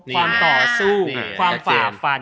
ต่อสู้ความฝ่าฟัน